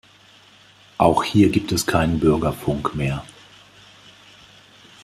Auch hier gibt es keinen Bürgerfunk mehr.